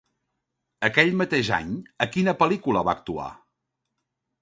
Aquell mateix any, a quina pel·lícula va actuar?